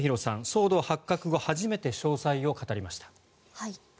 騒動発覚後初めて詳細を語りました。